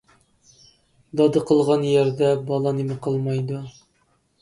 دادا قىلغان يەردە بالا نېمە قىلمايدۇ.